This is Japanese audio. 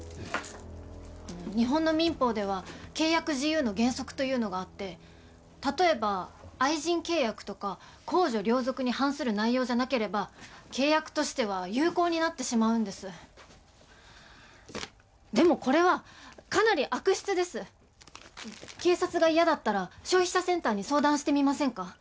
日本の民法では契約自由の原則というのがあって例えば愛人契約とか公序良俗に反する内容じゃなければ契約としては有効になってしまうんですでもこれはかなり悪質です警察が嫌だったら消費者センターに相談してみませんか？